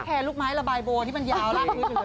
ไม่แคร์ลูกไม้ระบายโบวะที่มันยาวแล้ว